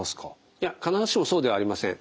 いや必ずしもそうではありません。